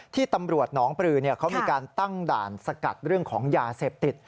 ที่ตำรวจหนองปลือเขามีการตั้งด่านสกัดเรื่องของยาเสพติด